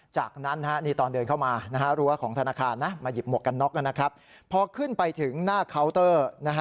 จากนั้นตอนเดินเข้ามารั้วของธนาคารมาหยิบหมวกกันน็อกพอขึ้นไปถึงหน้าเคาน์เตอร์